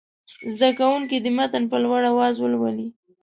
زده کوونکي دې متن په لوړ اواز ولولي.